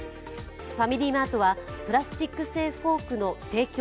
ファミリーマートはプラスチック製フォークの提供